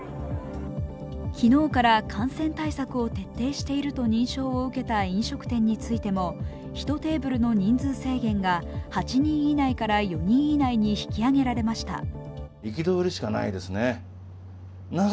昨日から感染対策を徹底していると認証を受けた飲食店についても１テーブルの人数制限が８人以内から４人以内に引き上げられました。